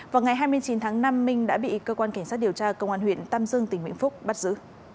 vào ngày hai mươi chín tháng năm minh đã bị cơ quan cảnh sát điều tra công an huyện tam dương tỉnh vĩnh phúc bắt giữ